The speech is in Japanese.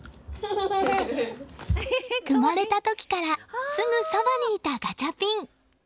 生まれた時からすぐそばにいたガチャピン。